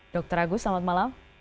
dr agus selamat malam